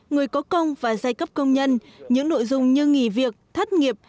người có công và giai cấp công nhân những nội dung như nghỉ việc thắt nghiệp